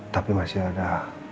tapi masih ada